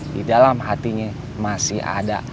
di dalam hatinya masih ada